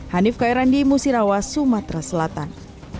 hanif kairandi musirawa sumatera selatan